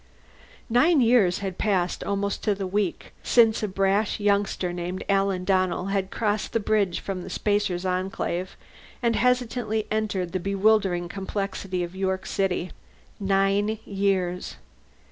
Nine years had passed, almost to the week, since a brash youngster named Alan Donnell had crossed the bridge from the Spacer's Enclave and hesitantly entered the bewildering complexity of York City. Nine years.